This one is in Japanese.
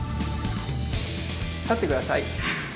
立ってください。